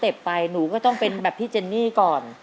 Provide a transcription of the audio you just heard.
ไปหนูก็ต้องเป็นแบบพี่เจนนี่ก่อน